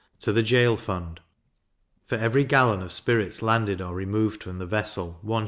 To the Gaol fund: For every gallon of spirits landed, or removed from the vessel, 1s.